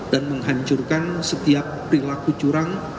dan menghancurkan setiap perilaku curang